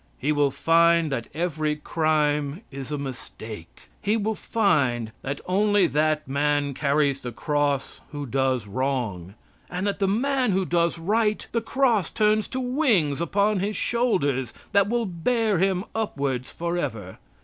He will find that every crime is a mistake. He will find that only that man carries the cross who does wrong, and that the man who does right the cross turns to wings upon his shoulders that will bear him upwards forever.